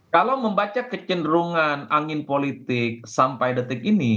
kalau membaca kecenderungan angin politik sampai detik ini